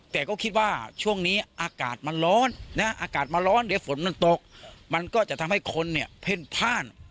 แต่ก็คิดว่าช่วงนี้อากาศมันร้อนนะอากาศมันร้อนเดี๋ยวฝนมันตกมันก็จะทำให้คนเนี่ยเพ่นพ่าน